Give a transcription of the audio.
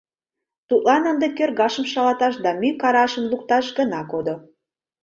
Тудлан ынде кӧргашым шалаташ да мӱй карашым лукташ гына кодо.